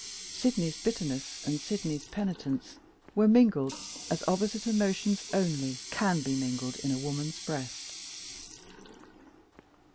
Sydney's bitterness and Sydney's penitence were mingled, as opposite emotions only can be mingled in a woman's breast.